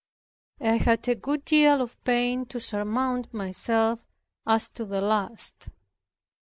I had a good deal of pain to surmount myself, as to the last.